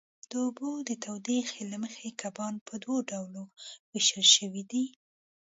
د اوبو د تودوخې له مخې کبان په دوو ډلو وېشل شوي دي.